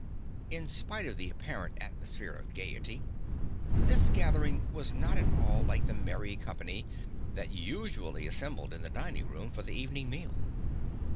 In spite of the apparent atmosphere of gayety, this gathering was not at all like the merry company that usually assembled in the dining room for the evening meal.